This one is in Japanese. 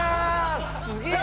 すげえな。